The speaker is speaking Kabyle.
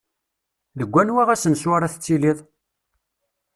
Deg anwa asensu ara tittiliḍ?